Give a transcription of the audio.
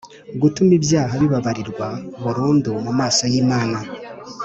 Gutuma ibyaha bibabarirwa burundu mu maso y imana